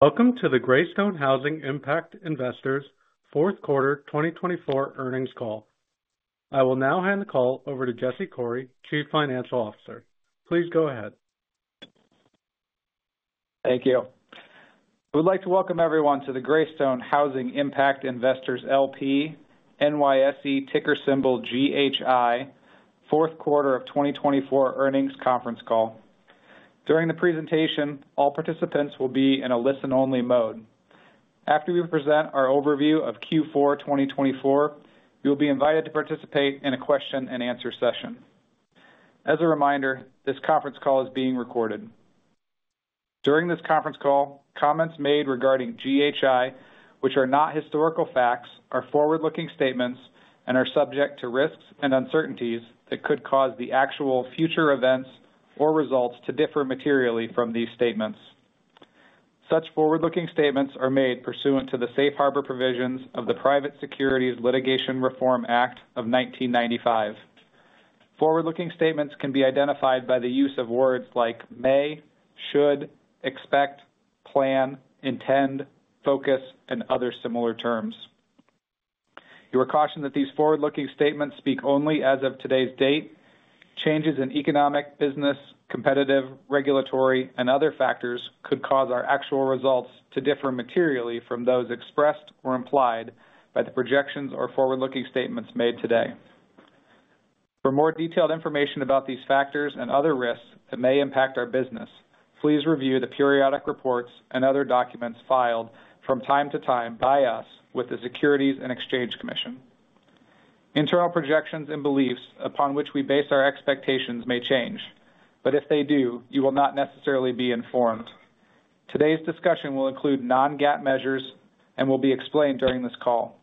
Welcome to the Greystone Housing Impact Investors Fourth Quarter 2024 Earnings Call. I will now hand the call over to Jesse Coury, Chief Financial Officer. Please go ahead. Thank you. I would like to welcome everyone to the Greystone Housing Impact Investors LP NYSE ticker symbol GHI Fourth Quarter of 2024 earnings conference call. During the presentation, all participants will be in a listen-only mode. After we present our overview of Q4 2024, you'll be invited to participate in a question-and-answer session. As a reminder, this conference call is being recorded. During this conference call, comments made regarding GHI, which are not historical facts, are forward-looking statements and are subject to risks and uncertainties that could cause the actual future events or results to differ materially from these statements. Such forward-looking statements are made pursuant to the safe harbor provisions of the Private Securities Litigation Reform Act of 1995. Forward-looking statements can be identified by the use of words like may, should, expect, plan, intend, focus, and other similar terms. You are cautioned that these forward-looking statements speak only as of today's date. Changes in economic, business, competitive, regulatory, and other factors could cause our actual results to differ materially from those expressed or implied by the projections or forward-looking statements made today. For more detailed information about these factors and other risks that may impact our business, please review the periodic reports and other documents filed from time to time by us with the Securities and Exchange Commission. Internal projections and beliefs upon which we base our expectations may change, but if they do, you will not necessarily be informed. Today's discussion will include non-GAAP measures and will be explained during this call.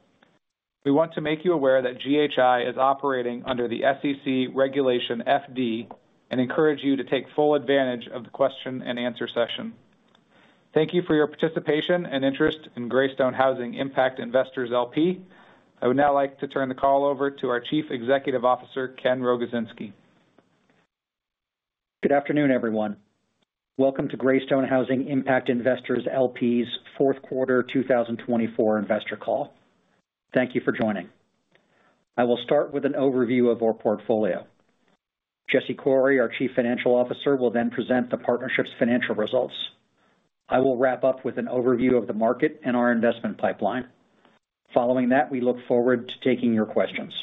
We want to make you aware that GHI is operating under the SEC Regulation FD and encourage you to take full advantage of the question-and-answer session. Thank you for your participation and interest in Greystone Housing Impact Investors LP. I would now like to turn the call over to our Chief Executive Officer, Ken Rogozinski. Good afternoon, everyone. Welcome to Greystone Housing Impact Investors LP's Fourth Quarter 2024 investor call. Thank you for joining. I will start with an overview of our portfolio. Jesse Coury, our Chief Financial Officer, will then present the partnership's financial results. I will wrap up with an overview of the market and our investment pipeline. Following that, we look forward to taking your questions.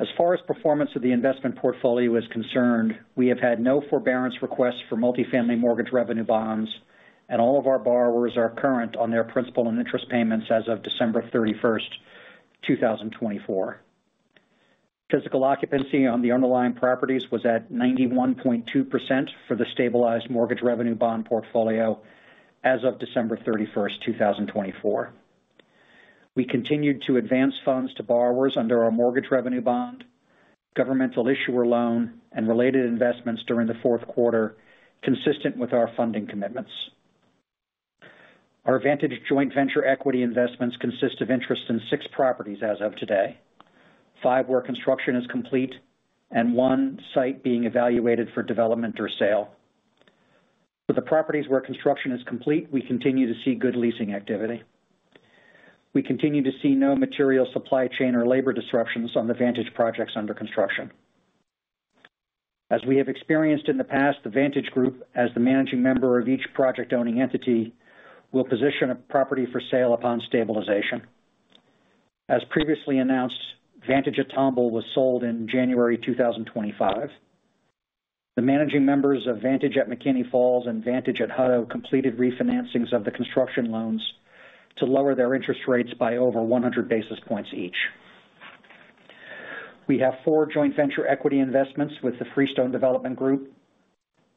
As far as performance of the investment portfolio is concerned, we have had no forbearance requests for multifamily mortgage revenue bonds, and all of our borrowers are current on their principal and interest payments as of December 31, 2024. Physical occupancy on the underlying properties was at 91.2% for the stabilized mortgage revenue bond portfolio as of December 31, 2024. We continued to advance funds to borrowers under our mortgage revenue bond, governmental issuer loan, and related investments during the Fourth Quarter, consistent with our funding commitments. Our Vantage Joint Venture Equity investments consist of interest in six properties as of today, five where construction is complete and one site being evaluated for development or sale. For the properties where construction is complete, we continue to see good leasing activity. We continue to see no material supply chain or labor disruptions on the Vantage projects under construction. As we have experienced in the past, the Vantage Group, as the managing member of each project-owning entity, will position a property for sale upon stabilization. As previously announced, Vantage at Tomball was sold in January 2025. The managing members of Vantage at McKinney Falls and Vantage at Hutto completed refinancings of the construction loans to lower their interest rates by over 100 basis points each. We have four joint venture equity investments with the Freestone Development Group,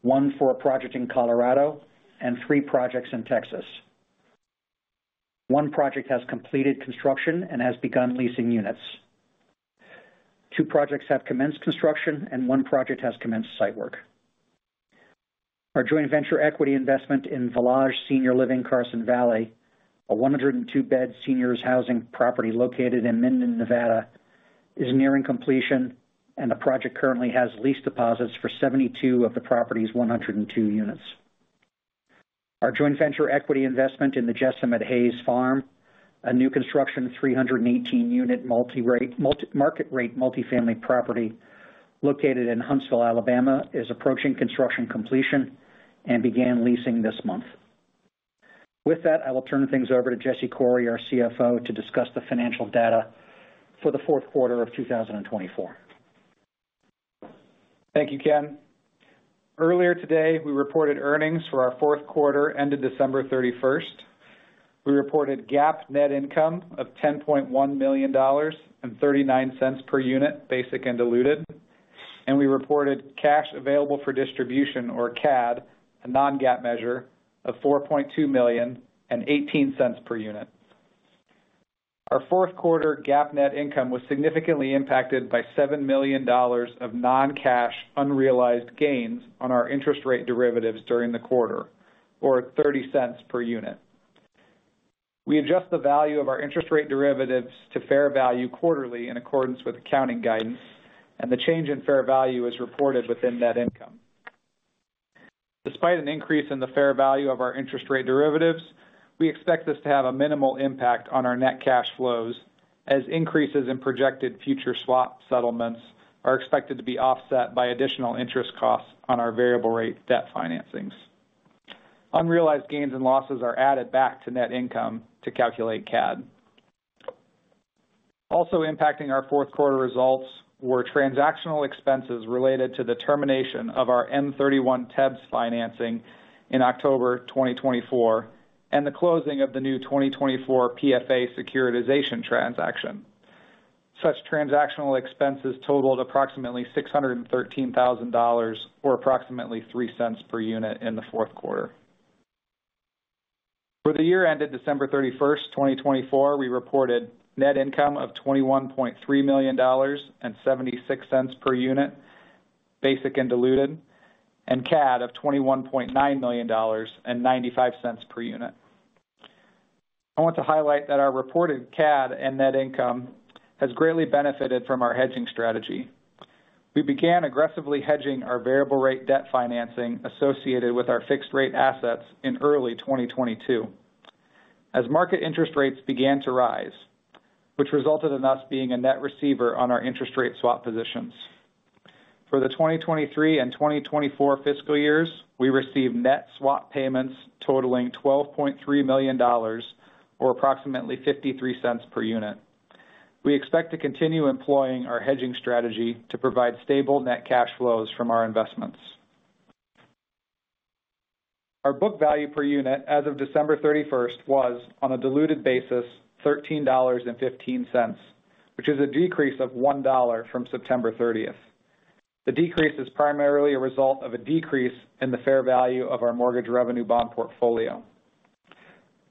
one for a project in Colorado, and three projects in Texas. One project has completed construction and has begun leasing units. Two projects have commenced construction, and one project has commenced site work. Our joint venture equity investment in The Villas at Carson Valley, a 102-bed seniors' housing property located in Minden, Nevada, is nearing completion, and the project currently has lease deposits for 72 of the property's 102 units. Our joint venture equity investment in The Jessamyn at Hays Farm, a new construction 318-unit market-rate multifamily property located in Huntsville, Alabama, is approaching construction completion and began leasing this month. With that, I will turn things over to Jesse Coury, our CFO, to discuss the financial data for the Fourth Quarter of 2024. Thank you, Ken. Earlier today, we reported earnings for our Fourth Quarter ended December 31. We reported GAAP net income of $10.1 million and $0.39 per unit, basic and diluted, and we reported cash available for distribution, or CAD, a non-GAAP measure of $4.2 million and $0.18 per unit. Our Fourth Quarter GAAP net income was significantly impacted by $7 million of non-cash unrealized gains on our interest rate derivatives during the quarter, or $0.30 per unit. We adjust the value of our interest rate derivatives to fair value quarterly in accordance with accounting guidance, and the change in fair value is reported within net income. Despite an increase in the fair value of our interest rate derivatives, we expect this to have a minimal impact on our net cash flows, as increases in projected future swap settlements are expected to be offset by additional interest costs on our variable-rate debt financings. Unrealized gains and losses are added back to net income to calculate CAD. Also impacting our Fourth Quarter results were transactional expenses related to the termination of our M31 TEBS financing in October 2024 and the closing of the new 2024 PFA securitization transaction. Such transactional expenses totaled approximately $613,000, or approximately $0.03 per unit in the Fourth Quarter. For the year ended December 31, 2024, we reported net income of $21.3 million and $0.76 per unit, basic and diluted, and CAD of $21.9 million and $0.95 per unit. I want to highlight that our reported CAD and net income has greatly benefited from our hedging strategy. We began aggressively hedging our variable-rate debt financing associated with our fixed-rate assets in early 2022, as market interest rates began to rise, which resulted in us being a net receiver on our interest rate swap positions. For the 2023 and 2024 fiscal years, we received net swap payments totaling $12.3 million, or approximately $0.53 per unit. We expect to continue employing our hedging strategy to provide stable net cash flows from our investments. Our book value per unit as of December 31st was, on a diluted basis, $13.15, which is a decrease of $1 from September 30th. The decrease is primarily a result of a decrease in the fair value of our mortgage revenue bond portfolio.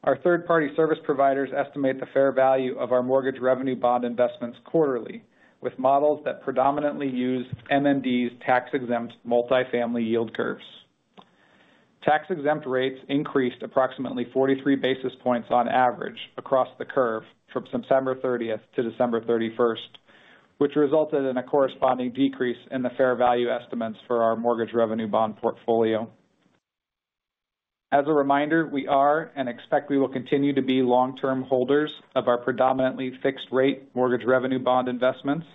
Our third-party service providers estimate the fair value of our mortgage revenue bond investments quarterly with models that predominantly use MMD's tax-exempt multifamily yield curves. Tax-exempt rates increased approximately 43 basis points on average across the curve from September 30 to December 31, which resulted in a corresponding decrease in the fair value estimates for our mortgage revenue bond portfolio. As a reminder, we are and expect we will continue to be long-term holders of our predominantly fixed-rate mortgage revenue bond investments,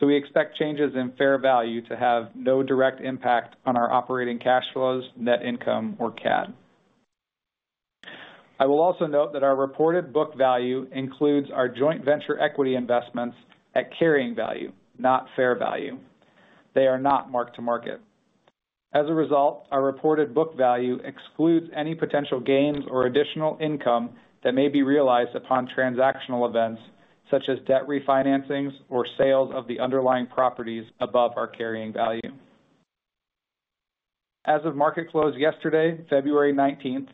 so we expect changes in fair value to have no direct impact on our operating cash flows, net income, or CAD. I will also note that our reported book value includes our joint venture equity investments at carrying value, not fair value. They are not marked to market. As a result, our reported book value excludes any potential gains or additional income that may be realized upon transactional events such as debt refinancings or sales of the underlying properties above our carrying value. As of market close yesterday, February 19th,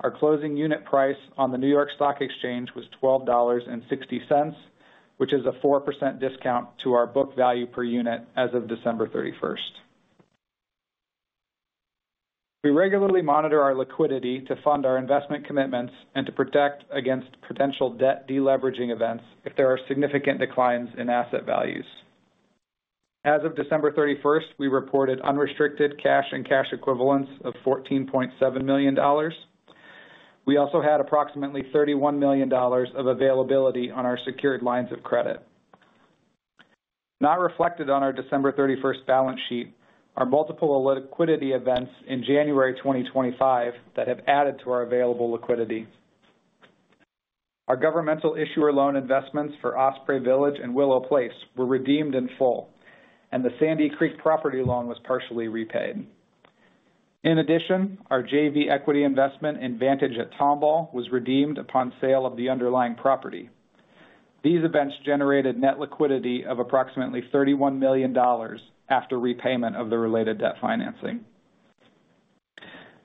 our closing unit price on the New York Stock Exchange was $12.60, which is a 4% discount to our book value per unit as of December 31st. We regularly monitor our liquidity to fund our investment commitments and to protect against potential debt deleveraging events if there are significant declines in asset values. As of December 31st, we reported unrestricted cash and cash equivalents of $14.7 million. We also had approximately $31 million of availability on our secured lines of credit. Not reflected on our December 31st balance sheet are multiple liquidity events in January 2025 that have added to our available liquidity. Our governmental issuer loan investments for Osprey Village and Willow Place were redeemed in full, and the Sandy Creek property loan was partially repaid. In addition, our JV equity investment in Vantage at Tomball was redeemed upon sale of the underlying property. These events generated net liquidity of approximately $31 million after repayment of the related debt financing.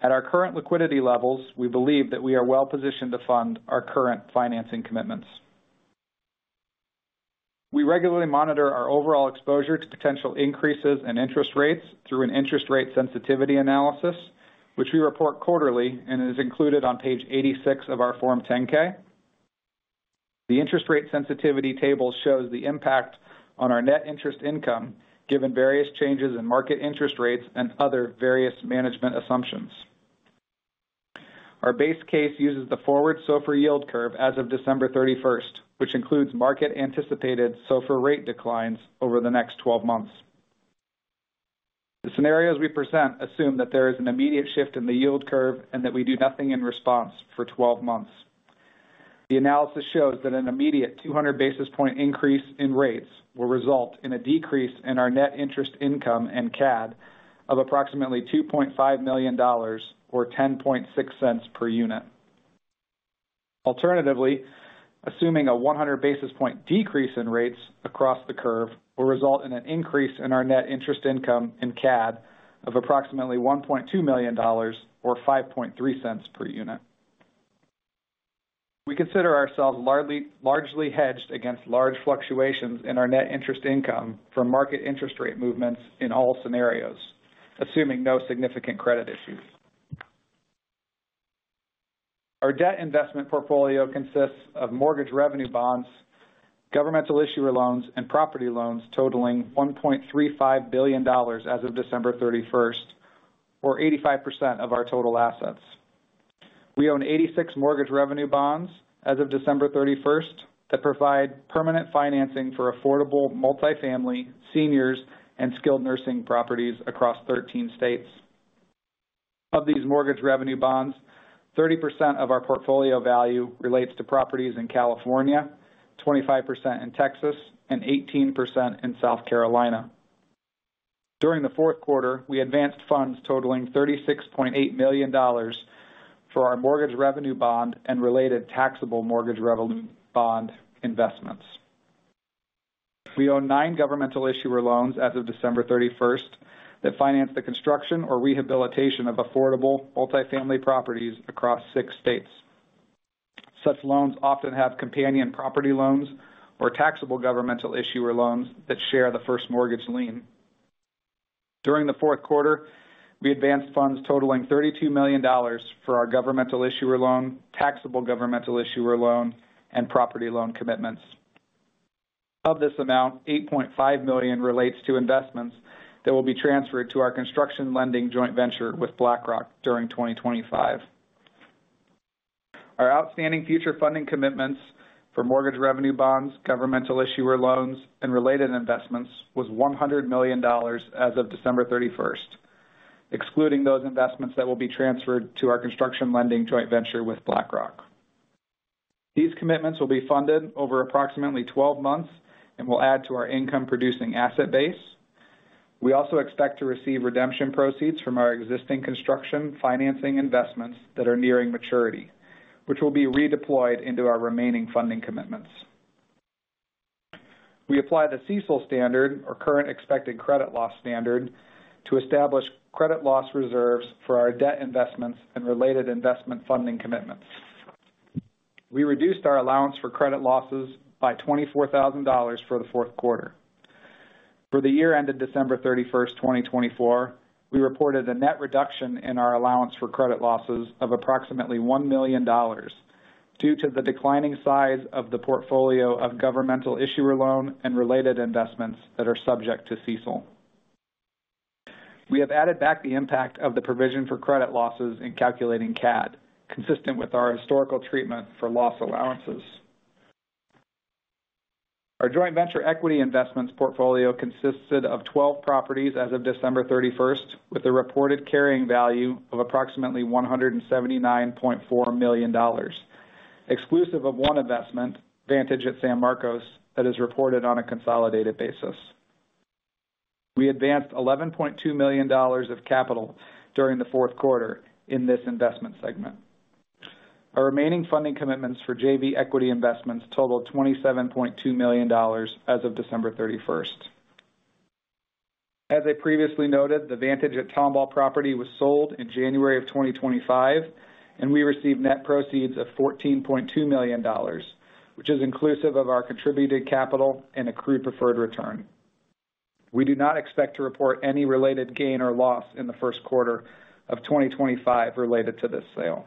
At our current liquidity levels, we believe that we are well positioned to fund our current financing commitments. We regularly monitor our overall exposure to potential increases in interest rates through an interest rate sensitivity analysis, which we report quarterly and is included on page 86 of our Form 10-K. The interest rate sensitivity table shows the impact on our net interest income given various changes in market interest rates and other various management assumptions. Our base case uses the forward SOFR yield curve as of December 31, which includes market-anticipated SOFR rate declines over the next 12 months. The scenarios we present assume that there is an immediate shift in the yield curve and that we do nothing in response for 12 months. The analysis shows that an immediate 200 basis point increase in rates will result in a decrease in our net interest income and CAD of approximately $2.5 million, or $0.106 per unit. Alternatively, assuming a 100 basis point decrease in rates across the curve will result in an increase in our net interest income and CAD of approximately $1.2 million, or $0.053 per unit. We consider ourselves largely hedged against large fluctuations in our net interest income from market interest rate movements in all scenarios, assuming no significant credit issues. Our debt investment portfolio consists of mortgage revenue bonds, governmental issuer loans, and property loans totaling $1.35 billion as of December 31, or 85% of our total assets. We own 86 mortgage revenue bonds as of December 31 that provide permanent financing for affordable multifamily, seniors, and skilled nursing properties across 13 states. Of these mortgage revenue bonds, 30% of our portfolio value relates to properties in California, 25% in Texas, and 18% in South Carolina. During the Fourth Quarter, we advanced funds totaling $36.8 million for our mortgage revenue bond and related taxable mortgage revenue bond investments. We own nine governmental issuer loans as of December 31 that finance the construction or rehabilitation of affordable multifamily properties across six states. Such loans often have companion property loans or taxable governmental issuer loans that share the first mortgage lien. During the Fourth Quarter, we advanced funds totaling $32 million for our governmental issuer loan, taxable governmental issuer loan, and property loan commitments. Of this amount, $8.5 million relates to investments that will be transferred to our construction lending joint venture with BlackRock during 2025. Our outstanding future funding commitments for mortgage revenue bonds, governmental issuer loans, and related investments was $100 million as of December 31, excluding those investments that will be transferred to our construction lending joint venture with BlackRock. These commitments will be funded over approximately 12 months and will add to our income-producing asset base. We also expect to receive redemption proceeds from our existing construction financing investments that are nearing maturity, which will be redeployed into our remaining funding commitments. We apply the CECL standard, or current expected credit loss standard, to establish credit loss reserves for our debt investments and related investment funding commitments. We reduced our allowance for credit losses by $24,000 for the Fourth Quarter. For the year ended December 31, 2024, we reported a net reduction in our allowance for credit losses of approximately $1 million due to the declining size of the portfolio of governmental issuer loan and related investments that are subject to CECL. We have added back the impact of the provision for credit losses in calculating CAD, consistent with our historical treatment for loss allowances. Our joint venture equity investments portfolio consisted of 12 properties as of December 31, with a reported carrying value of approximately $179.4 million, exclusive of one investment, Vantage at San Marcos, that is reported on a consolidated basis. We advanced $11.2 million of capital during the Fourth Quarter in this investment segment. Our remaining funding commitments for JV equity investments totaled $27.2 million as of December 31. As I previously noted, the Vantage at Tomball property was sold in January of 2025, and we received net proceeds of $14.2 million, which is inclusive of our contributed capital and accrued preferred return. We do not expect to report any related gain or loss in the first quarter of 2025 related to this sale.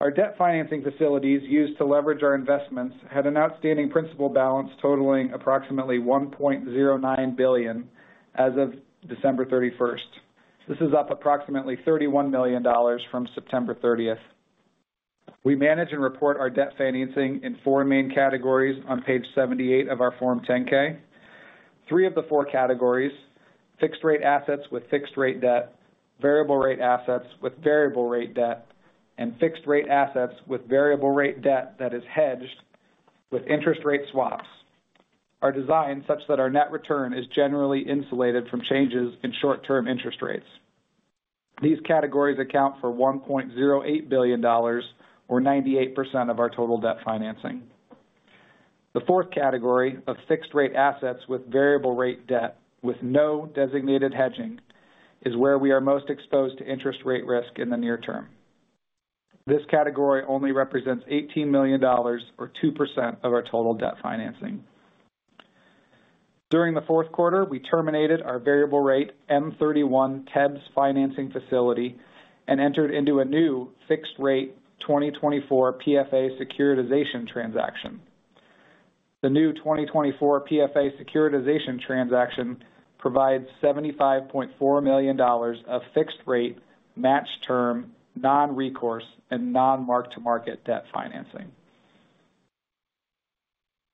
Our debt financing facilities used to leverage our investments had an outstanding principal balance totaling approximately $1.09 billion as of December 31. This is up approximately $31 million from September 30. We manage and report our debt financing in four main categories on page 78 of our Form 10-K. Three of the four categories: fixed-rate assets with fixed-rate debt, variable-rate assets with variable-rate debt, and fixed-rate assets with variable-rate debt that is hedged with interest rate swaps are designed such that our net return is generally insulated from changes in short-term interest rates. These categories account for $1.08 billion, or 98% of our total debt financing. The fourth category of fixed-rate assets with variable-rate debt with no designated hedging is where we are most exposed to interest rate risk in the near term. This category only represents $18 million, or 2% of our total debt financing. During the Fourth Quarter, we terminated our variable-rate M31 TEBS financing facility and entered into a new fixed-rate 2024 PFA securitization transaction. The new 2024 PFA securitization transaction provides $75.4 million of fixed-rate matched term, non-recourse, and non-marked-to-market debt financing.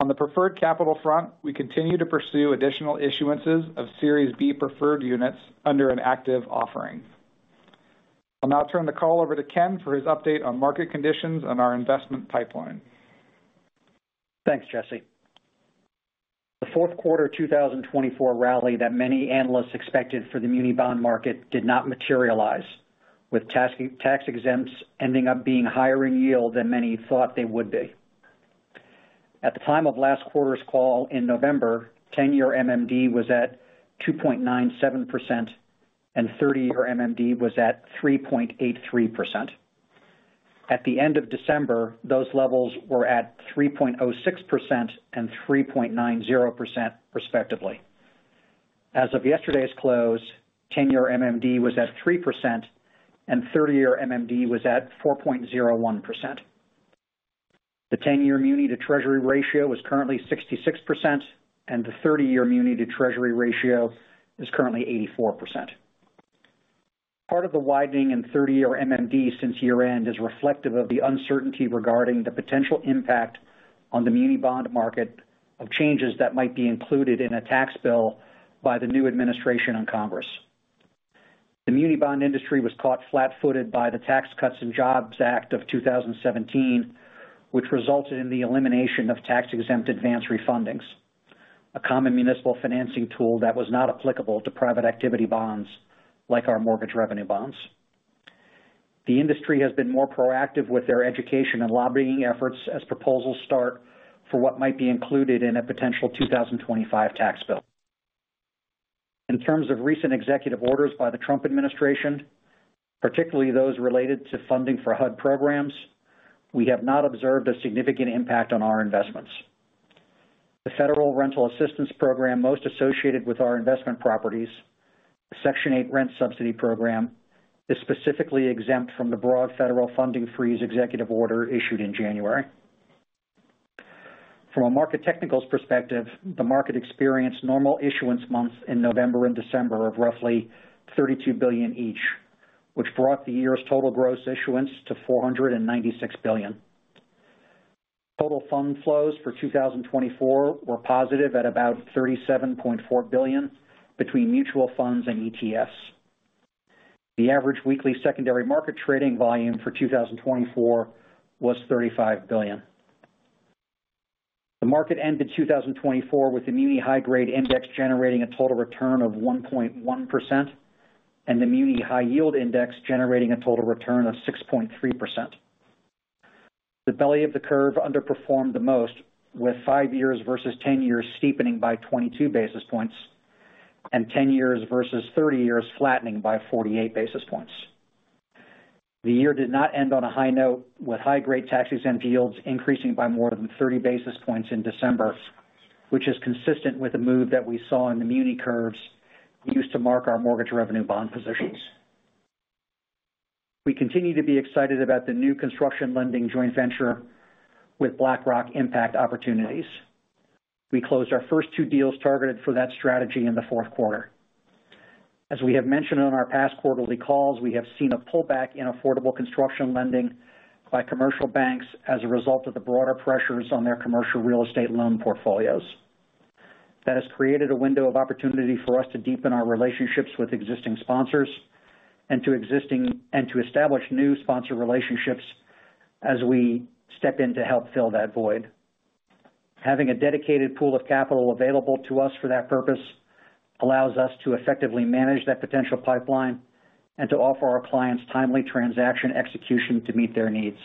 On the preferred capital front, we continue to pursue additional issuances of Series B preferred units under an active offering. I'll now turn the call over to Ken for his update on market conditions and our investment pipeline. Thanks, Jesse. The Fourth Quarter 2024 rally that many analysts expected for the muni bond market did not materialize, with tax-exempts ending up being higher in yield than many thought they would be. At the time of last quarter's call in November, 10-year MMD was at 2.97% and 30-year MMD was at 3.83%. At the end of December, those levels were at 3.06% and 3.90%, respectively. As of yesterday's close, 10-year MMD was at 3% and 30-year MMD was at 4.01%. The 10-year muni to Treasury ratio is currently 66%, and the 30-year muni to Treasury ratio is currently 84%. Part of the widening in 30-year MMD since year-end is reflective of the uncertainty regarding the potential impact on the muni bond market of changes that might be included in a tax bill by the new administration and Congress. The muni bond industry was caught flat-footed by the Tax Cuts and Jobs Act of 2017, which resulted in the elimination of tax-exempt advance refundings, a common municipal financing tool that was not applicable to private activity bonds like our mortgage revenue bonds. The industry has been more proactive with their education and lobbying efforts as proposals start for what might be included in a potential 2025 tax bill. In terms of recent executive orders by the Trump administration, particularly those related to funding for HUD programs, we have not observed a significant impact on our investments. The federal rental assistance program most associated with our investment properties, the Section 8 Rent Subsidy Program, is specifically exempt from the broad federal funding freeze executive order issued in January. From a market technicals perspective, the market experienced normal issuance months in November and December of roughly $32 billion each, which brought the year's total gross issuance to $496 billion. Total fund flows for 2024 were positive at about $37.4 billion between mutual funds and ETFs. The average weekly secondary market trading volume for 2024 was $35 billion. The market ended 2024 with the muni high-grade index generating a total return of 1.1% and the muni high-yield index generating a total return of 6.3%. The belly of the curve underperformed the most, with five years versus 10 years steepening by 22 basis points and 10 years versus 30 years flattening by 48 basis points. The year did not end on a high note, with high-grade tax-exempt yields increasing by more than 30 basis points in December, which is consistent with the move that we saw in the muni curves used to mark our mortgage revenue bond positions. We continue to be excited about the new construction lending joint venture with BlackRock Impact Opportunities. We closed our first two deals targeted for that strategy in the Fourth Quarter. As we have mentioned on our past quarterly calls, we have seen a pullback in affordable construction lending by commercial banks as a result of the broader pressures on their commercial real estate loan portfolios. That has created a window of opportunity for us to deepen our relationships with existing sponsors and to establish new sponsor relationships as we step in to help fill that void. Having a dedicated pool of capital available to us for that purpose allows us to effectively manage that potential pipeline and to offer our clients timely transaction execution to meet their needs.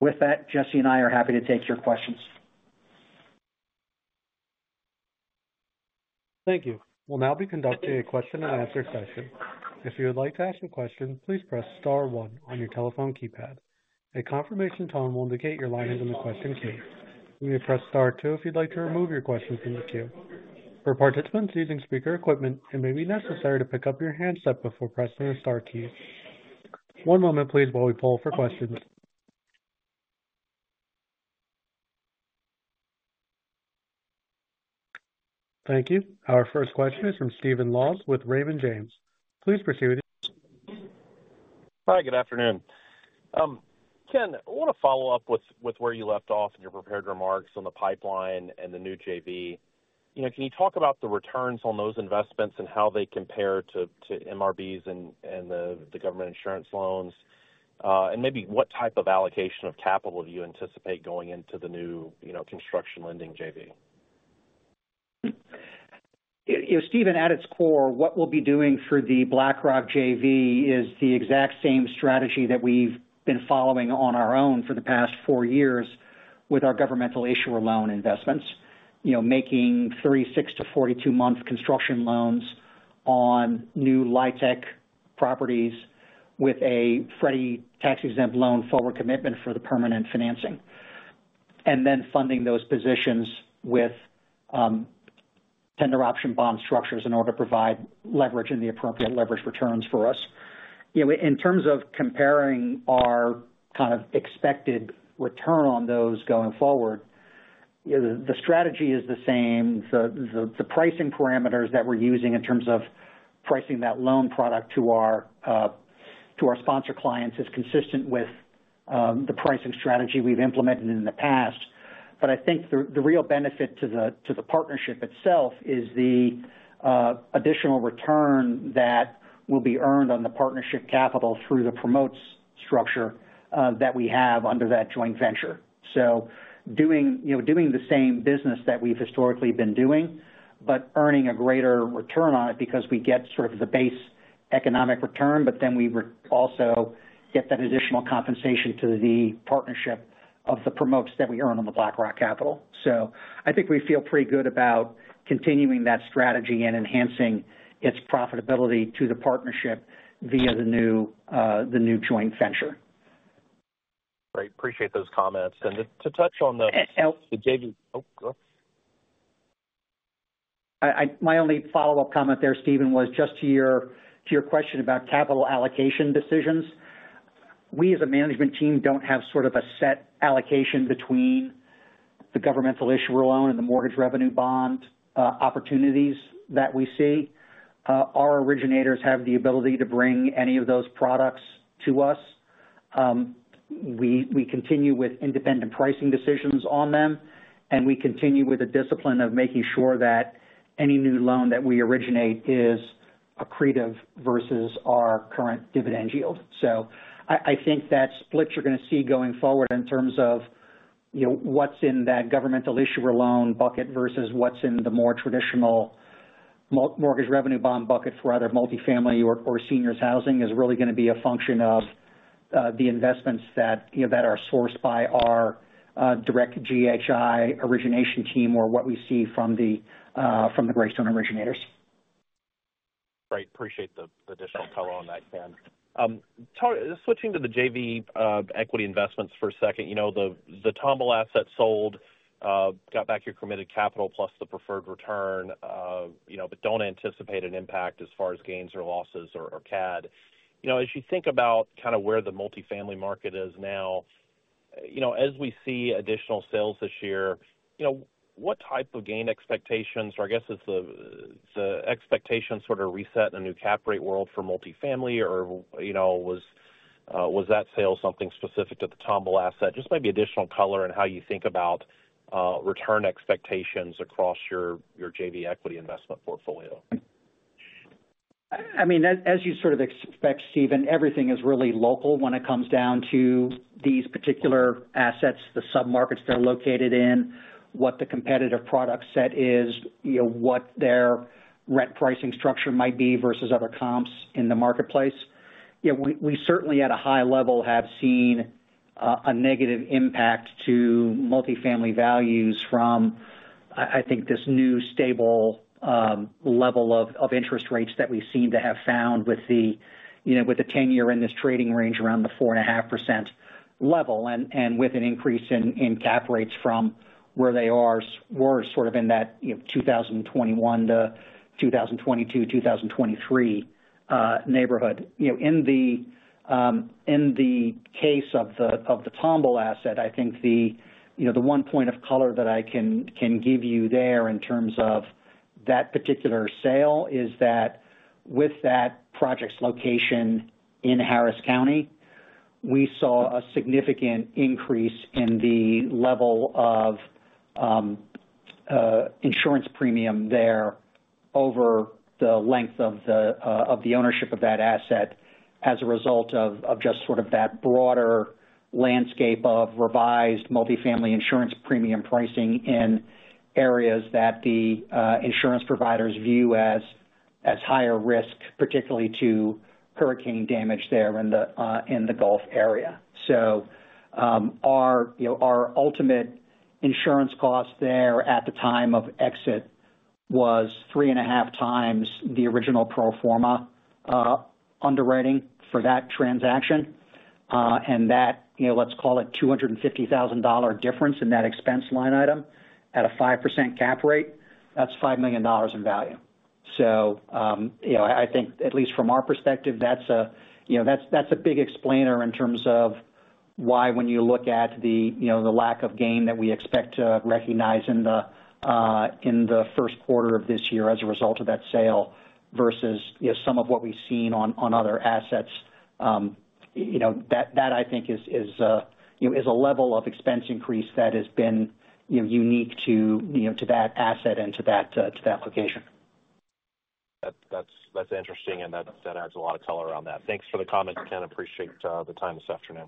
With that, Jesse and I are happy to take your questions. Thank you. We'll now be conducting a question-and-answer session. If you would like to ask a question, please press Star 1 on your telephone keypad. A confirmation tone will indicate your line is in the question queue. You may press Star 2 if you'd like to remove your questions from the queue. For participants using speaker equipment, it may be necessary to pick up your handset before pressing the Star keys. One moment, please, while we pull for questions. Thank you. Our first question is from Stephen Laws with Raymond James. Please proceed with your question. Hi. Good afternoon. Ken, I want to follow up with where you left off in your prepared remarks on the pipeline and the new JV. Can you talk about the returns on those investments and how they compare to MRBs and the government insurance loans? Maybe what type of allocation of capital do you anticipate going into the new construction lending JV? Stephen, at its core, what we'll be doing for the BlackRock JV is the exact same strategy that we've been following on our own for the past four years with our governmental issuer loan investments, making 36-42 month construction loans on new LIHTC properties with a Freddie tax-exempt loan forward commitment for the permanent financing, and then funding those positions with tender option bond structures in order to provide leverage and the appropriate leverage returns for us. In terms of comparing our kind of expected return on those going forward, the strategy is the same. The pricing parameters that we're using in terms of pricing that loan product to our sponsor clients is consistent with the pricing strategy we've implemented in the past. I think the real benefit to the partnership itself is the additional return that will be earned on the partnership capital through the promotes structure that we have under that joint venture. Doing the same business that we've historically been doing, but earning a greater return on it because we get sort of the base economic return, but then we also get that additional compensation to the partnership of the promotes that we earn on the BlackRock capital. I think we feel pretty good about continuing that strategy and enhancing its profitability to the partnership via the new joint venture. Great. Appreciate those comments. To touch on the JV, oh, go ahead. My only follow-up comment there, Stephen, was just to your question about capital allocation decisions. We, as a management team, do not have sort of a set allocation between the governmental issuer loan and the mortgage revenue bond opportunities that we see. Our originators have the ability to bring any of those products to us. We continue with independent pricing decisions on them, and we continue with a discipline of making sure that any new loan that we originate is accretive versus our current dividend yield. I think that split you're going to see going forward in terms of what's in that governmental issuer loan bucket versus what's in the more traditional mortgage revenue bond bucket for either multifamily or seniors' housing is really going to be a function of the investments that are sourced by our direct GHI origination team or what we see from the Greystone originators. Great. Appreciate the additional tone on that, Ken. Switching to the JV equity investments for a second, the Tomball asset sold, got back your committed capital plus the preferred return, but don't anticipate an impact as far as gains or losses or CAD. As you think about kind of where the multifamily market is now, as we see additional sales this year, what type of gain expectations or, I guess, is the expectation sort of reset in a new cap rate world for multifamily? Or was that sale something specific to the Tomball asset? Just maybe additional color in how you think about return expectations across your JV equity investment portfolio. I mean, as you sort of expect, Stephen, everything is really local when it comes down to these particular assets, the sub-markets they're located in, what the competitive product set is, what their rent pricing structure might be versus other comps in the marketplace. We certainly, at a high level, have seen a negative impact to multifamily values from, I think, this new stable level of interest rates that we seem to have found with the 10-year in this trading range around the 4.5% level and with an increase in cap rates from where they were sort of in that 2021 to 2022, 2023 neighborhood. In the case of the Tomball asset, I think the one point of color that I can give you there in terms of that particular sale is that with that project's location in Harris County, we saw a significant increase in the level of insurance premium there over the length of the ownership of that asset as a result of just sort of that broader landscape of revised multifamily insurance premium pricing in areas that the insurance providers view as higher risk, particularly to hurricane damage there in the Gulf area. Our ultimate insurance cost there at the time of exit was three and a half times the original pro forma underwriting for that transaction. That, let's call it $250,000 difference in that expense line item at a 5% cap rate, that's $5 million in value. I think, at least from our perspective, that's a big explainer in terms of why, when you look at the lack of gain that we expect to recognize in the first quarter of this year as a result of that sale versus some of what we've seen on other assets, that, I think, is a level of expense increase that has been unique to that asset and to that location. That's interesting, and that adds a lot of color around that. Thanks for the comments, Ken. Appreciate the time this afternoon.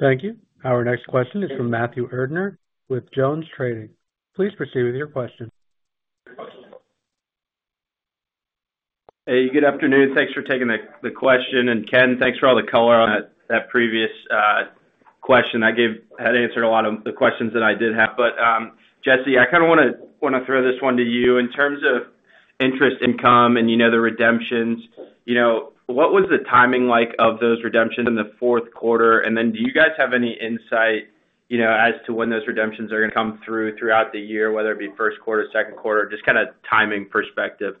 Thank you. Our next question is from Matthew Erdner with JonesTrading. Please proceed with your question. Hey, good afternoon. Thanks for taking the question. Ken, thanks for all the color on that previous question. It had answered a lot of the questions that I did have. Jesse, I kind of want to throw this one to you. In terms of interest income and the redemptions, what was the timing like of those redemptions in the Fourth Quarter? Do you guys have any insight as to when those redemptions are going to come through throughout the year, whether it be first quarter, Second Quarter, just kind of timing perspective?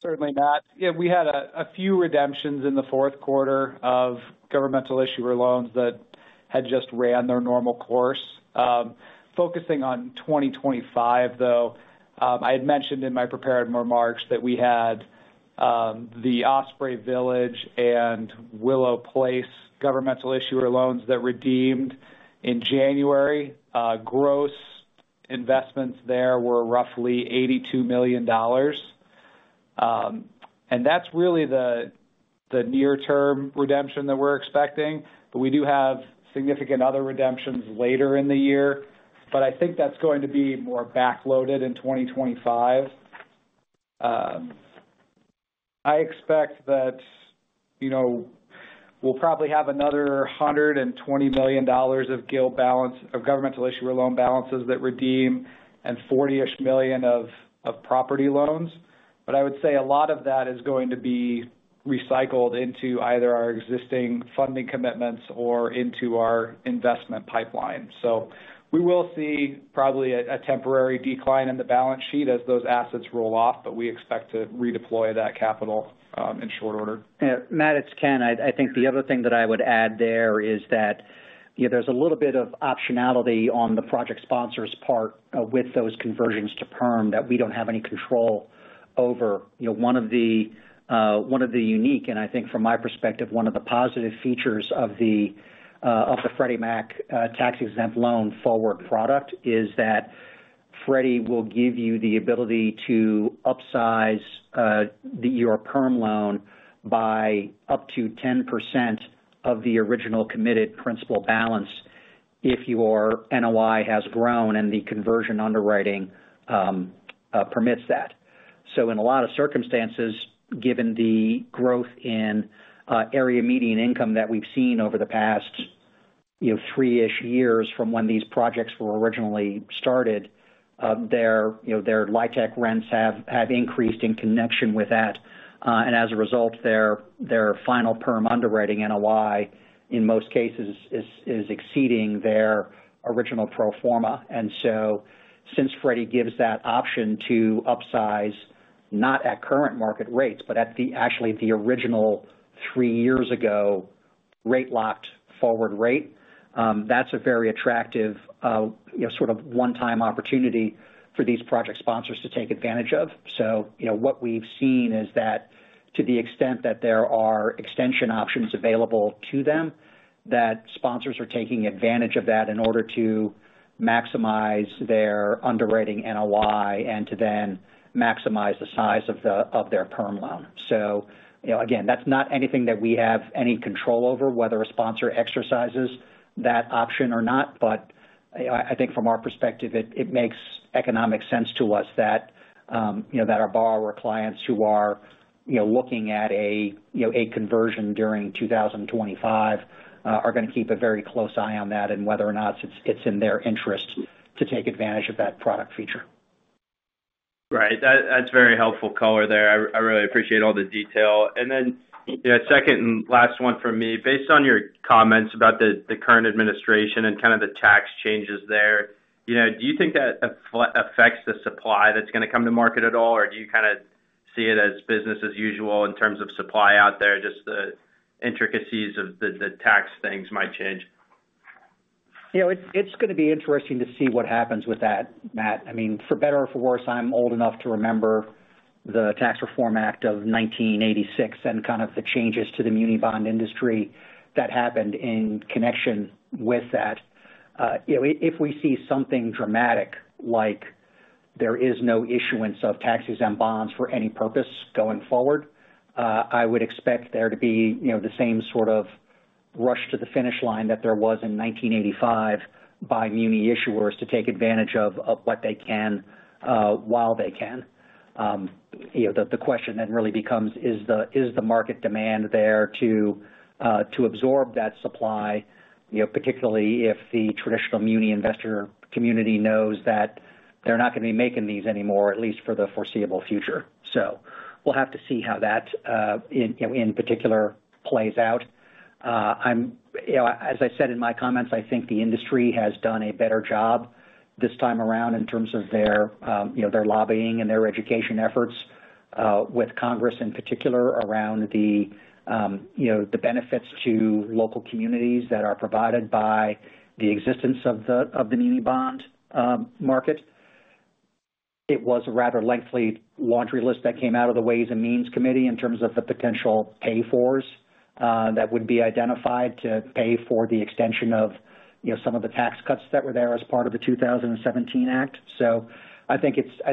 Certainly not. We had a few redemptions in the Fourth Quarter of governmental issuer loans that had just ran their normal course. Focusing on 2025, though, I had mentioned in my prepared remarks that we had the Osprey Village and Willow Place governmental issuer loans that redeemed in January. Gross investments there were roughly $82 million. That's really the near-term redemption that we're expecting. We do have significant other redemptions later in the year. I think that's going to be more backloaded in 2025. I expect that we'll probably have another $120 million of governmental issuer loan balances that redeem and $40 million of property loans. I would say a lot of that is going to be recycled into either our existing funding commitments or into our investment pipeline. We will see probably a temporary decline in the balance sheet as those assets roll off, but we expect to redeploy that capital in short order. Matt, it's Ken. I think the other thing that I would add there is that there's a little bit of optionality on the project sponsors part with those conversions to perm that we don't have any control over. One of the unique, and I think from my perspective, one of the positive features of the Freddie Mac tax-exempt loan forward product is that Freddie will give you the ability to upsize your perm loan by up to 10% of the original committed principal balance if your NOI has grown and the conversion underwriting permits that. In a lot of circumstances, given the growth in area median income that we've seen over the past three-ish years from when these projects were originally started, their LIHTC rents have increased in connection with that. As a result, their final perm underwriting NOI, in most cases, is exceeding their original pro forma. Since Freddie gives that option to upsize, not at current market rates, but at actually the original three years ago rate-locked forward rate, that's a very attractive sort of one-time opportunity for these project sponsors to take advantage of. What we've seen is that to the extent that there are extension options available to them, sponsors are taking advantage of that in order to maximize their underwriting NOI and to then maximize the size of their perm loan. Again, that's not anything that we have any control over, whether a sponsor exercises that option or not. I think from our perspective, it makes economic sense to us that our borrower clients who are looking at a conversion during 2025 are going to keep a very close eye on that and whether or not it's in their interest to take advantage of that product feature. Right. That's very helpful color there. I really appreciate all the detail. Second and last one for me, based on your comments about the current administration and kind of the tax changes there, do you think that affects the supply that's going to come to market at all? Do you kind of see it as business as usual in terms of supply out there, just the intricacies of the tax things might change? It's going to be interesting to see what happens with that, Matt. I mean, for better or for worse, I'm old enough to remember the Tax Reform Act of 1986 and kind of the changes to the muni bond industry that happened in connection with that. If we see something dramatic like there is no issuance of tax-exempt bonds for any purpose going forward, I would expect there to be the same sort of rush to the finish line that there was in 1985 by muni issuers to take advantage of what they can while they can. The question then really becomes, is the market demand there to absorb that supply, particularly if the traditional muni investor community knows that they're not going to be making these anymore, at least for the foreseeable future? We will have to see how that, in particular, plays out. As I said in my comments, I think the industry has done a better job this time around in terms of their lobbying and their education efforts with Congress in particular around the benefits to local communities that are provided by the existence of the muni bond market. It was a rather lengthy laundry list that came out of the Ways and Means Committee in terms of the potential pay-fors that would be identified to pay for the extension of some of the tax cuts that were there as part of the 2017 Act. I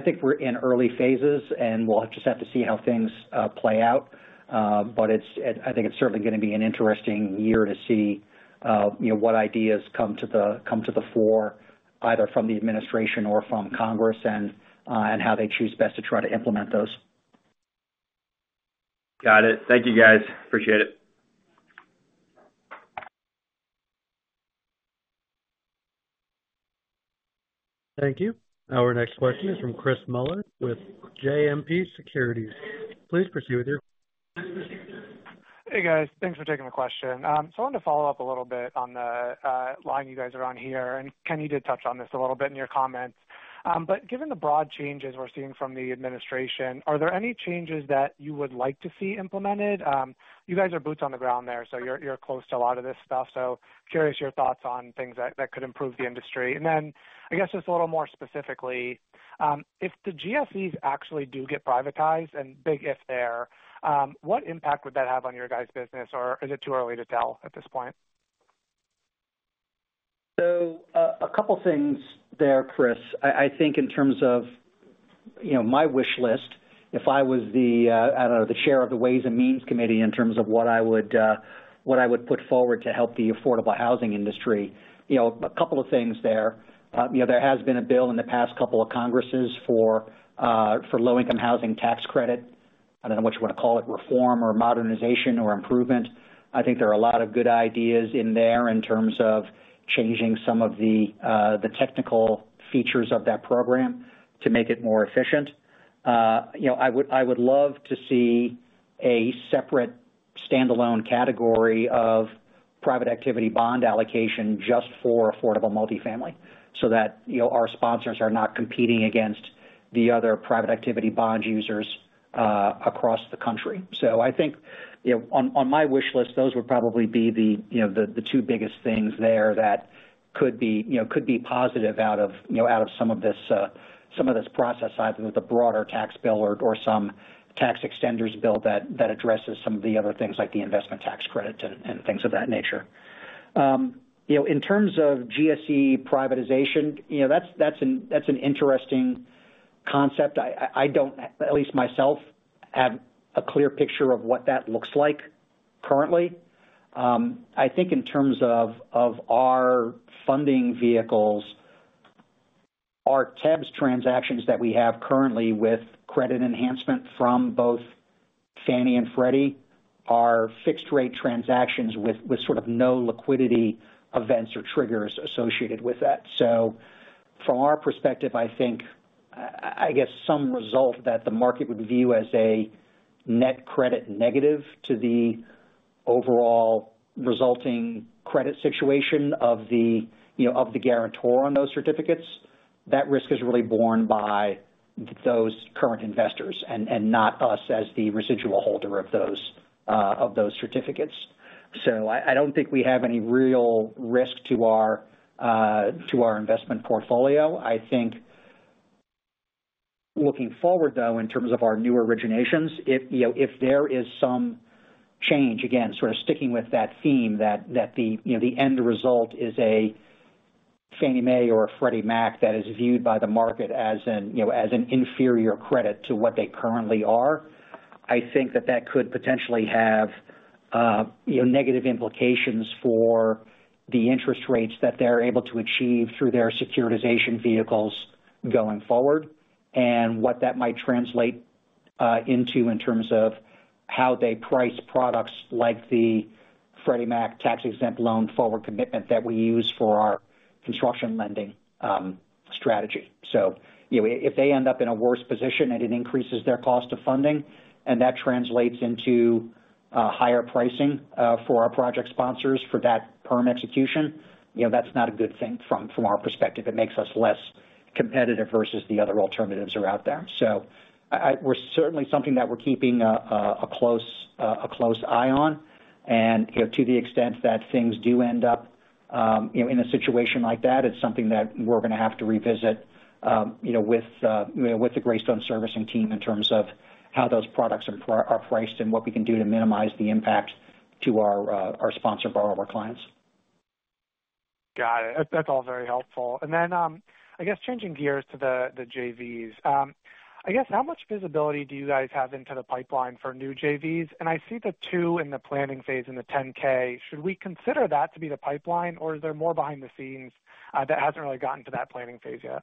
think we're in early phases, and we'll just have to see how things play out. I think it's certainly going to be an interesting year to see what ideas come to the fore either from the administration or from Congress and how they choose best to try to implement those. Got it. Thank you, guys. Appreciate it. Thank you. Our next question is from Chris Muller with JMP Securities. Please proceed with your. Hey, guys. Thanks for taking the question. I wanted to follow up a little bit on the line you guys are on here. Ken, you did touch on this a little bit in your comments. Given the broad changes we're seeing from the administration, are there any changes that you would like to see implemented? You guys are boots on the ground there, so you're close to a lot of this stuff. Curious your thoughts on things that could improve the industry. I guess, just a little more specifically, if the GSEs actually do get privatized and big if there, what impact would that have on your guys' business? Or is it too early to tell at this point? A couple of things there, Chris. I think in terms of my wish list, if I was the chair of the Ways and Means Committee in terms of what I would put forward to help the affordable housing industry, a couple of things there. There has been a bill in the past couple of Congresses for low-income housing tax credit. I do not know what you want to call it, reform or modernization or improvement. I think there are a lot of good ideas in there in terms of changing some of the technical features of that program to make it more efficient. I would love to see a separate standalone category of private activity bond allocation just for affordable multifamily so that our sponsors are not competing against the other private activity bond users across the country. I think on my wish list, those would probably be the two biggest things there that could be positive out of some of this process, either with the broader tax bill or some tax extenders bill that addresses some of the other things like the investment tax credit and things of that nature. In terms of GSE privatization, that's an interesting concept. I don't, at least myself, have a clear picture of what that looks like currently. I think in terms of our funding vehicles, our TEBS transactions that we have currently with credit enhancement from both Fannie and Freddie are fixed-rate transactions with sort of no liquidity events or triggers associated with that. From our perspective, I think, I guess some result that the market would view as a net credit negative to the overall resulting credit situation of the guarantor on those certificates, that risk is really borne by those current investors and not us as the residual holder of those certificates. I don't think we have any real risk to our investment portfolio. I think looking forward, though, in terms of our new originations, if there is some change, again, sort of sticking with that theme that the end result is a Fannie Mae or a Freddie Mac that is viewed by the market as an inferior credit to what they currently are, I think that that could potentially have negative implications for the interest rates that they're able to achieve through their securitization vehicles going forward and what that might translate into in terms of how they price products like the Freddie Mac tax-exempt loan forward commitment that we use for our construction lending strategy. If they end up in a worse position and it increases their cost of funding and that translates into higher pricing for our project sponsors for that perm execution, that's not a good thing from our perspective. It makes us less competitive versus the other alternatives that are out there. We are certainly something that we are keeping a close eye on. To the extent that things do end up in a situation like that, it is something that we are going to have to revisit with the Greystone Servicing Team in terms of how those products are priced and what we can do to minimize the impact to our sponsor borrower clients. Got it. That is all very helpful. I guess, changing gears to the JVs, how much visibility do you guys have into the pipeline for new JVs? I see the two in the planning phase and the 10K. Should we consider that to be the pipeline, or is there more behind the scenes that has not really gotten to that planning phase yet?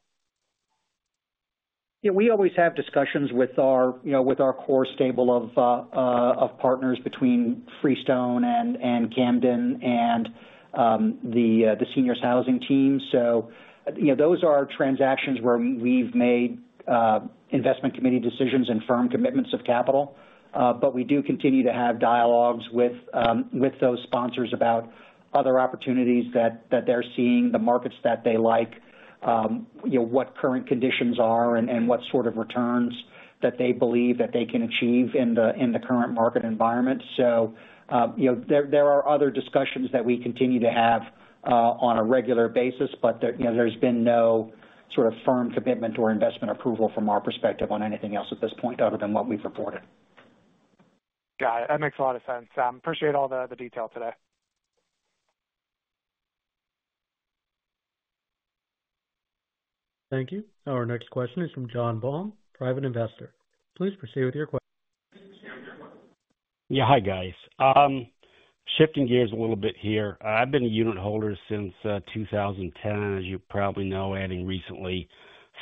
We always have discussions with our core stable of partners between Freestone and Camden and the Seniors Housing Team. Those are transactions where we've made investment committee decisions and firm commitments of capital. We do continue to have dialogues with those sponsors about other opportunities that they're seeing, the markets that they like, what current conditions are, and what sort of returns that they believe that they can achieve in the current market environment. There are other discussions that we continue to have on a regular basis, but there's been no sort of firm commitment or investment approval from our perspective on anything else at this point other than what we've reported. Got it. That makes a lot of sense. Appreciate all the detail today. Thank you. Our next question is from John Baugh, private investor. Please proceed with your question. Yeah. Hi, guys, Shifting gears a little bit here. I've been a unit holder since 2010, as you probably know, adding recently,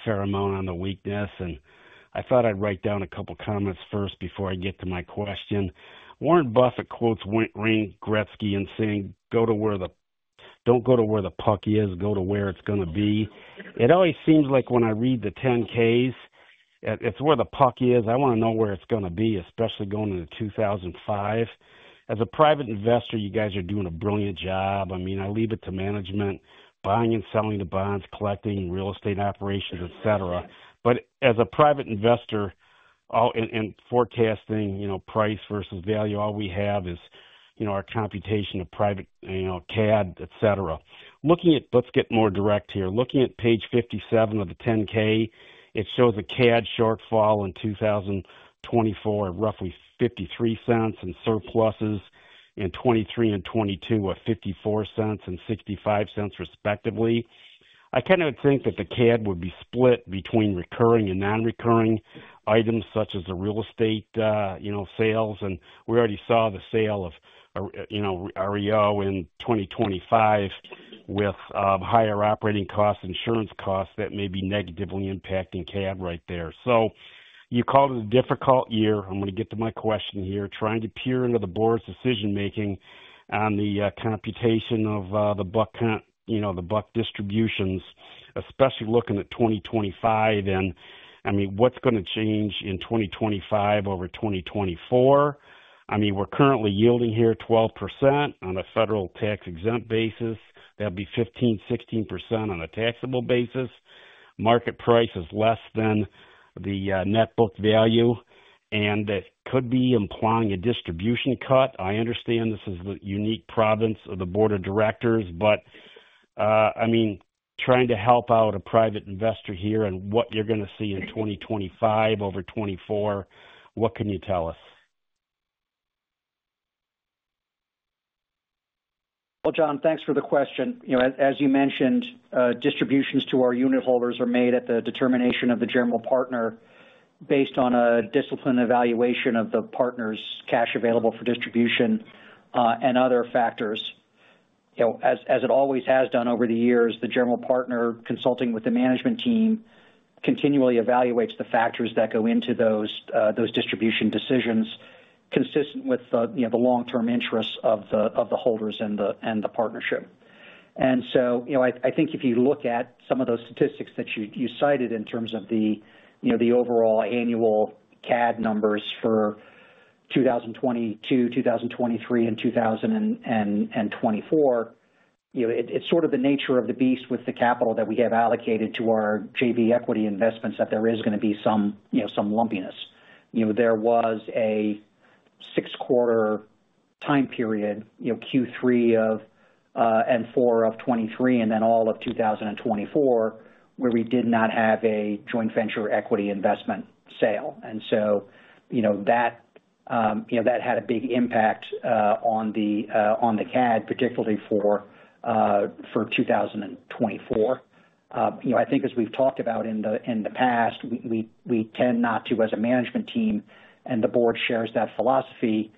certainly on the weakness. I thought I'd write down a couple of comments first before I get to my question. Warren Buffett quotes Wayne Gretzky and saying, "Go to where the—don't go to where the puck is. Go to where it's going to be." It always seems like when I read the 10Ks, it's where the puck is. I want to know where it's going to be, especially going into 2025. As a private investor, you guys are doing a brilliant job. I mean, I leave it to management, buying and selling the bonds, collecting real estate operations, etc. As a private investor and forecasting price versus value, all we have is our computation of private CAD, etc. Let's get more direct here. Looking at page 57 of the 10K, it shows a CAD shortfall in 2024 of roughly $0.53 and surpluses in 2023 and 2022 of $0.54 and $0.65 respectively. I kind of think that the CAD would be split between recurring and non-recurring items such as the real estate sales. We already saw the sale of REO in 2025 with higher operating costs, insurance costs that may be negatively impacting CAD right there. You called it a difficult year. I'm going to get to my question here. Trying to peer into the board's decision-making on the computation of the buck distributions, especially looking at 2025. I mean, what's going to change in 2025 over 2024? We're currently yielding here 12% on a federal tax-exempt basis. That'd be 15%-16% on a taxable basis. Market price is less than the net book value. That could be implying a distribution cut. I understand this is the unique province of the board of directors, but I mean, trying to help out a private investor here and what you're going to see in 2025 over 2024, what can you tell us? John, thanks for the question. As you mentioned, distributions to our unitholders are made at the determination of the general partner based on a disciplined evaluation of the partner's cash available for distribution and other factors. As it always has done over the years, the general partner, consulting with the management team, continually evaluates the factors that go into those distribution decisions consistent with the long-term interests of the holders and the partnership. I think if you look at some of those statistics that you cited in terms of the overall annual CAD numbers for 2022, 2023, and 2024, it's sort of the nature of the beast with the capital that we have allocated to our JV equity investments that there is going to be some lumpiness. There was a six-quarter time period, Q3 and Q4 of 2023, and then all of 2024 where we did not have a joint venture equity investment sale. That had a big impact on the CAD, particularly for 2024. I think as we've talked about in the past, we tend not to, as a management team, and the board shares that philosophy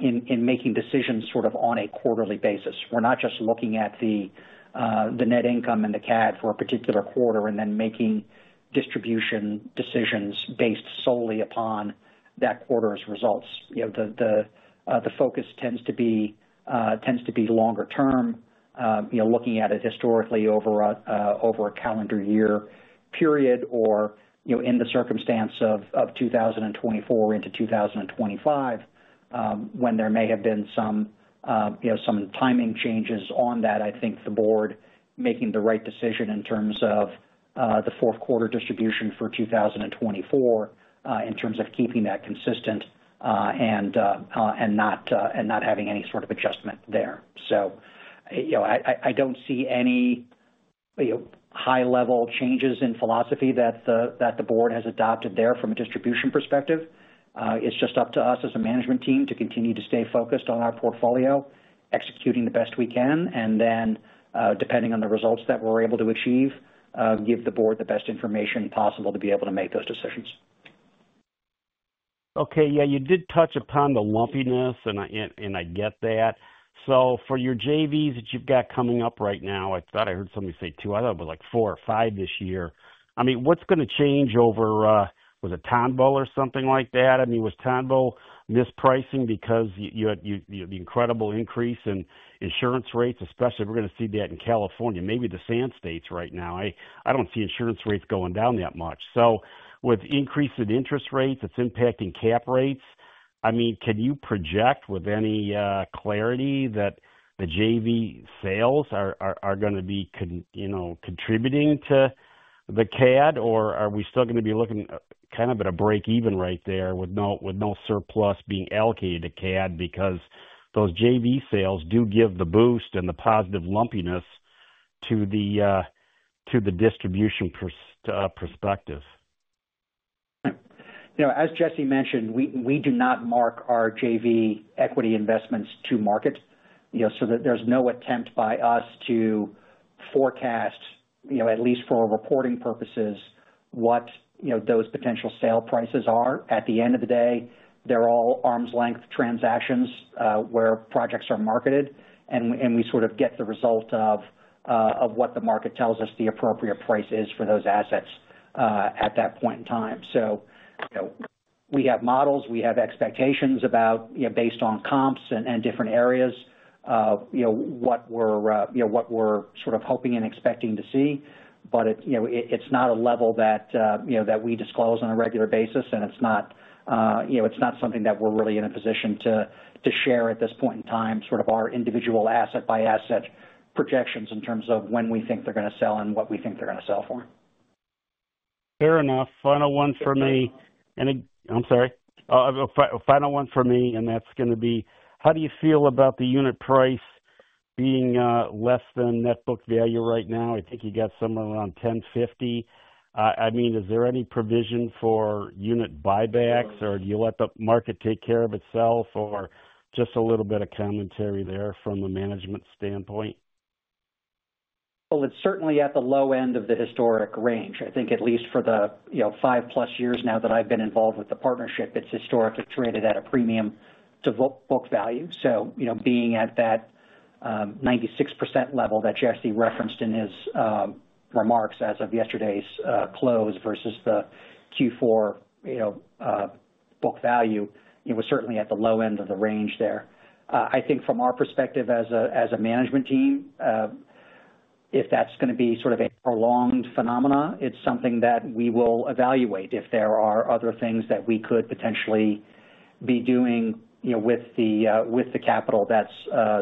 in making decisions sort of on a quarterly basis. We're not just looking at the net income and the CAD for a particular quarter and then making distribution decisions based solely upon that quarter's results. The focus tends to be longer-term, looking at it historically over a calendar year period or in the circumstance of 2024 into 2025 when there may have been some timing changes on that. I think the board making the right decision in terms of the Fourth Quarter distribution for 2024 in terms of keeping that consistent and not having any sort of adjustment there. I don't see any high-level changes in philosophy that the board has adopted there from a distribution perspective. It's just up to us as a management team to continue to stay focused on our portfolio, executing the best we can, and then depending on the results that we're able to achieve, give the board the best information possible to be able to make those decisions. Okay. Yeah. You did touch upon the lumpiness, and I get that. For your JVs that you've got coming up right now, I thought I heard somebody say two. I thought it was like four or five this year. I mean, what's going to change over—was it Tomball or something like that? I mean, was Tomball mispricing because you had the incredible increase in insurance rates, especially we're going to see that in California, maybe the Sand States right now. I don't see insurance rates going down that much. With increased interest rates, it's impacting cap rates. I mean, can you project with any clarity that the JV sales are going to be contributing to the CAD, or are we still going to be looking kind of at a break-even right there with no surplus being allocated to CAD because those JV sales do give the boost and the positive lumpiness to the distribution perspective? As Jesse mentioned, we do not mark our JV equity investments to market. There is no attempt by us to forecast, at least for reporting purposes, what those potential sale prices are. At the end of the day, they are all arm's-length transactions where projects are marketed, and we sort of get the result of what the market tells us the appropriate price is for those assets at that point in time. We have models. We have expectations based on comps and different areas of what we're sort of hoping and expecting to see. It is not a level that we disclose on a regular basis, and it is not something that we're really in a position to share at this point in time, sort of our individual asset-by-asset projections in terms of when we think they're going to sell and what we think they're going to sell for. Fair enough. Final one for me, I'm sorry. Final one for me, and that is going to be: how do you feel about the unit price being less than net book value right now? I think you got somewhere around $10.50. I mean, is there any provision for unit buybacks, or do you let the market take care of itself, or just a little bit of commentary there from a management standpoint? It is certainly at the low end of the historic range. I think at least for the five-plus years now that I have been involved with the partnership, it has historically traded at a premium to book value. Being at that 96% level that Jesse referenced in his remarks as of yesterday's close versus the Q4 book value, it was certainly at the low end of the range there. I think from our perspective as a management team, if that is going to be sort of a prolonged phenomenon, it is something that we will evaluate if there are other things that we could potentially be doing with the capital that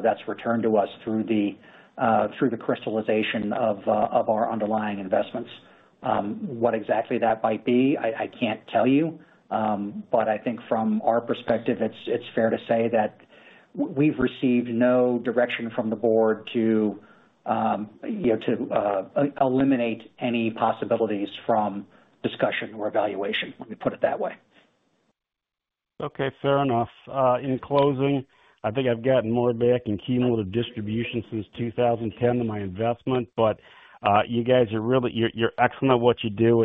is returned to us through the crystallization of our underlying investments. What exactly that might be, I cannot tell you. I think from our perspective, it's fair to say that we've received no direction from the board to eliminate any possibilities from discussion or evaluation. Let me put it that way. Okay. Fair enough. In closing, I think I've gotten more back in keeping with the distributions since 2010 to my investment, but you guys are really—you are excellent at what you do.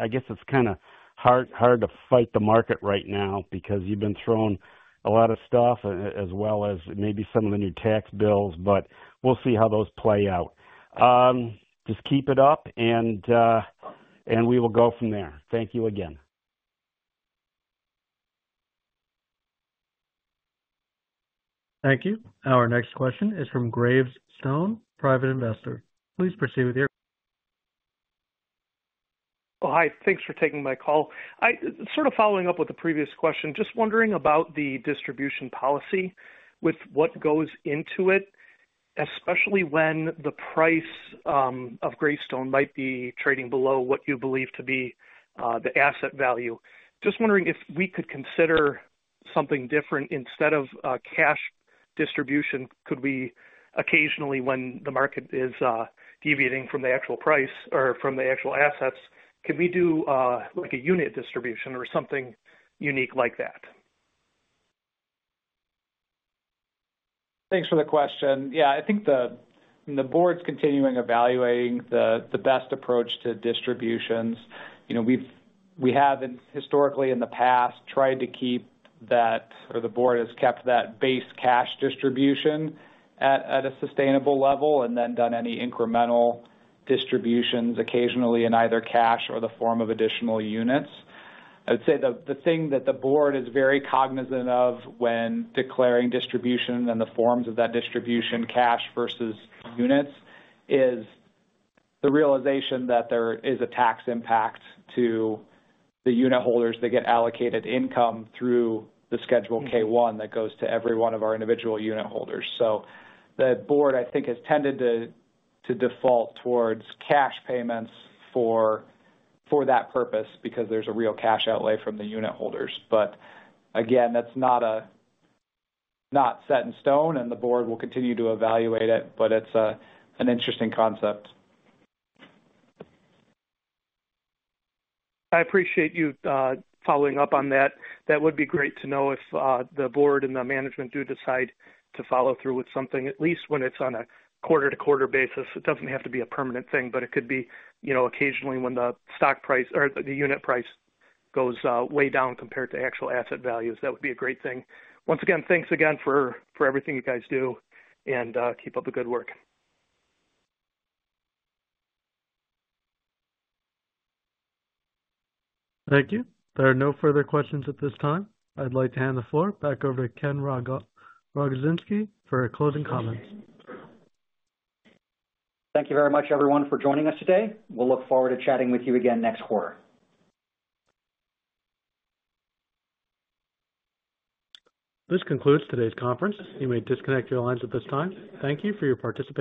I guess it's kind of hard to fight the market right now because you've been thrown a lot of stuff as well as maybe some of the new tax bills, but we'll see how those play out. Just keep it up, and we will go from there. Thank you again. Thank you. Our next question is from Greystone, private investor. Please proceed with your— Hi. Thanks for taking my call. Sort of following up with the previous question, just wondering about the distribution policy with what goes into it, especially when the price of Greystone might be trading below what you believe to be the asset value. Just wondering if we could consider something different instead of cash distribution. Could we occasionally, when the market is deviating from the actual price or from the actual assets, can we do a unit distribution or something unique like that? Thanks for the question. Yeah. I think the board's continuing evaluating the best approach to distributions. We have, historically, in the past, tried to keep that, or the board has kept that base cash distribution at a sustainable level and then done any incremental distributions occasionally in either cash or the form of additional units. I would say the thing that the board is very cognizant of when declaring distribution and the forms of that distribution, cash versus units, is the realization that there is a tax impact to the unitholders that get allocated income through the Schedule K-1 that goes to every one of our individual unitholders. The board, I think, has tended to default towards cash payments for that purpose because there's a real cash outlay from the unitholders. Again, that's not set in stone, and the board will continue to evaluate it, but it's an interesting concept. I appreciate you following up on that. That would be great to know if the board and the management do decide to follow through with something, at least when it's on a quarter-to-quarter basis. It does not have to be a permanent thing, but it could be occasionally when the stock price or the unit price goes way down compared to actual asset values. That would be a great thing. Once again, thanks again for everything you guys do, and keep up the good work. Thank you. There are no further questions at this time. I would like to hand the floor back over to Ken Rogozinski for closing comments. Thank you very much, everyone, for joining us today. We will look forward to chatting with you again next quarter. This concludes today's conference. You may disconnect your lines at this time. Thank you for your participation.